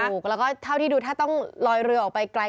ถูกแล้วก็เท่าที่ดูถ้าต้องลอยเรือออกไปไกล